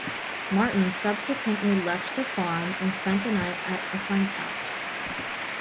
Martin subsequently left the farm and spent the night at a friend's house.